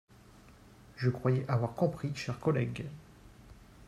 Je croyais avoir compris, chers collègues